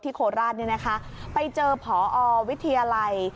โคราชเนี่ยนะคะไปเจอผอวิทยาลัย